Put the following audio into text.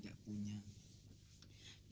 dia juga tidak punya